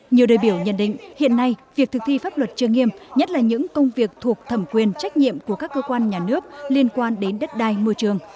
nhiều đại biểu nhận định hiện nay việc thực thi pháp luật chưa nghiêm nhất là những công việc thuộc thẩm quyền trách nhiệm của các cơ quan nhà nước liên quan đến đất đai môi trường